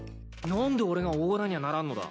何で俺がおごらにゃならんのだ？